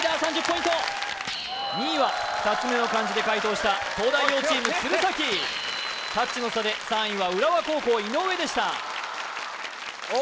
３０ポイント２位は２つ目の漢字で解答した東大王チーム鶴崎タッチの差で３位は浦和高校井上でした